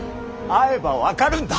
会えば分かるんだ。